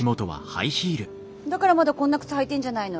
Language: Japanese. だからまだこんな靴履いてんじゃないの。